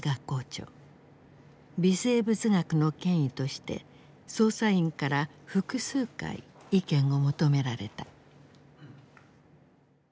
微生物学の権威として捜査員から複数回意見を求められた。